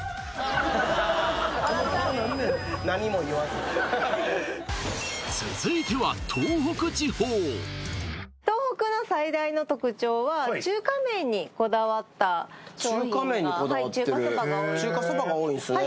何も言わず続いては東北の最大の特徴は中華麺にこだわった商品が中華そばが多いですね